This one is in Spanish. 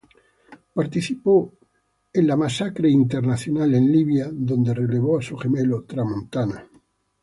Participó en la operación internacional en Libia, donde relevó a su gemelo "Tramontana".